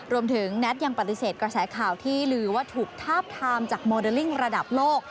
แน็ตยังปฏิเสธกระแสข่าวที่ลือว่าถูกทาบทามจากโมเดลลิ่งระดับโลก